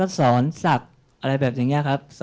ก็สอนอะไรแบบนี้นะครับ